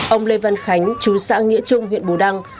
ông lê văn khánh chú xã nghĩa trung huyện bù đăng